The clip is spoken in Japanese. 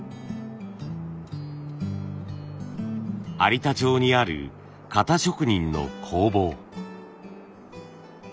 有田町にある型職人の工房。